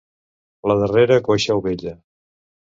La darrera, coixa o vella.